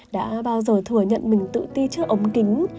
đã bao giờ thừa nhận mình tự ti chưa ống kính